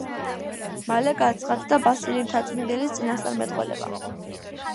მალე გაცხადდა ბასილი მთაწმინდელის წინასწარმეტყველება.